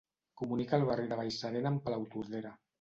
comunica el barri de Vallserena amb Palautordera